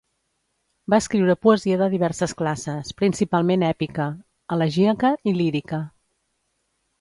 Va escriure poesia de diverses classes, principalment èpica, elegíaca i lírica.